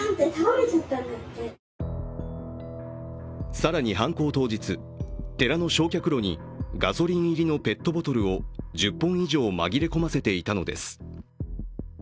更に犯行当日、寺の焼却炉にガソリン入りのペットボトルを１０本以上紛れ込ませていたのです。